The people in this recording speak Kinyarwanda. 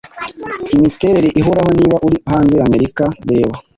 imiterere ihoraho Niba uri hanze yAmerikareba